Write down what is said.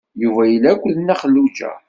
Yuba yella akked Nna Xelluǧa.